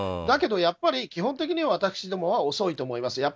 だけど、やっぱり基本的には私どもは遅いと思います。